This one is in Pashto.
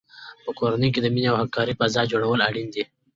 په کورنۍ کې د مینې او همکارۍ فضا جوړول اړین دي.